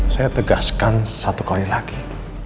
saya tegaskan satu kali lagi